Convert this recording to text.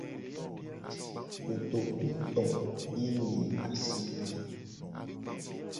Kotoku to ye le asi nye.